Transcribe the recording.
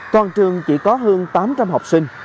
toàn trường chỉ có hơn tám trăm linh học sinh